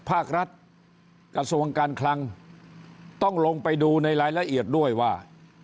ภาครัฐกระทรวงการคลังต้องลงไปดูในรายละเอียดด้วยว่า